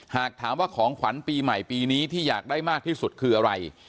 หากถามว่าของขวัญปีใหม่ปีนี้ที่อยากได้มากที่สุดคืออะไร